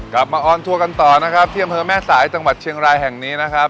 มาออนทัวร์กันต่อนะครับที่อำเภอแม่สายจังหวัดเชียงรายแห่งนี้นะครับ